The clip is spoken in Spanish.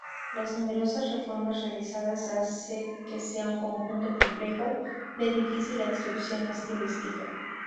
Las numerosas reformas realizadas hace que sea un conjunto complejo de difícil adscripción estilística.